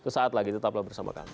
sesaat lagi tetaplah bersama kami